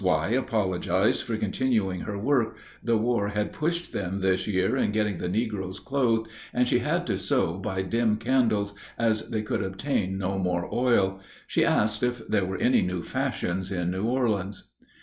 Y. apologized for continuing her work; the war had pushed them this year in getting the negroes clothed, and she had to sew by dim candles, as they could obtain no more oil. She asked if there were any new fashions in New Orleans.